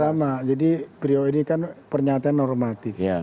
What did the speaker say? sama jadi beliau ini kan pernyataan normatif